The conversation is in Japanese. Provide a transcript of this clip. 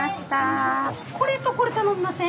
これとこれ頼みません？